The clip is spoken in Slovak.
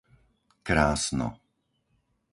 Krásno